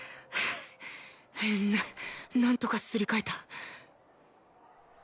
ななんとかすり替えた。